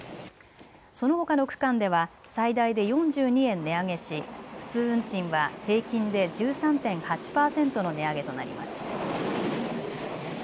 そのほかの区間では最大で４２円値上げし普通運賃は平均で１３．８％の値上げとなります。